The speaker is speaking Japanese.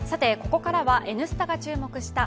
ここからは、「Ｎスタ」が注目した。